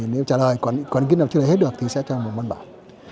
nếu trả lời quản ký nào trả lời hết được thì sẽ cho một bản bảo